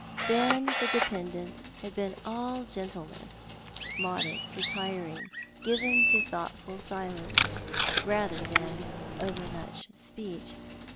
Then the dependant had been all gentleness, modest, retiring, given to thoughtful silence rather than overmuch speech.